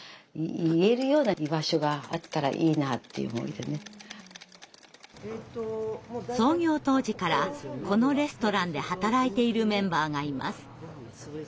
だからそんな時に創業当時からこのレストランで働いているメンバーがいます。